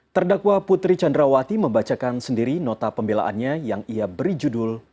terdakwa putri candrawati membacakan sendiri nota pembelaannya yang ia beri judul